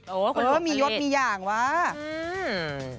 คุณหลวงผลิตเกิดอ๋อมียกมีอย่างว่ะพอที่ยุคผลิต